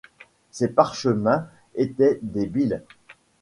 Ces parchemins étaient des bills.